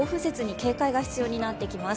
警戒が必要になってきます。